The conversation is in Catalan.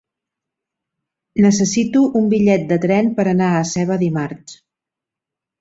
Necessito un bitllet de tren per anar a Seva dimarts.